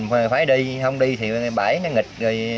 phải đi không đi thì bãi nó nghịch